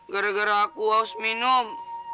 gara gara aku harus minum